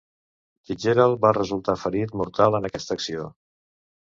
Fitzgerald va resultar ferit mortal en aquesta acció.